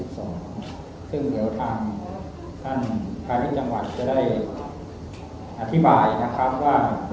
โดยทางท่านภาพฤทธิศจังหวัดจะได้อธิบายนะครับว่า